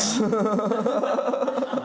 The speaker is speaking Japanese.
ハハハハ！